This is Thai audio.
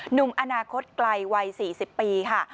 หนุ่มอนาคตไกลวัย๔๐ปีค่ะ